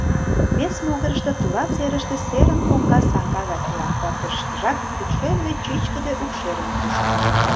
Вес могырышто тура серыште, серын коҥга саҥга гай тура пырдыжыштыжак пӱкшерме чӱчкыдӧ укшерын кушкын.